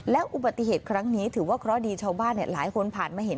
และอุบัติเหตุครั้งนี้ถือว่าเคราะห์ดีชาวบ้านหลายคนผ่านมาเห็น